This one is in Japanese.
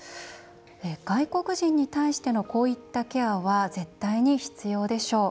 「外国人に対してのこういったケアは絶対に必要でしょう。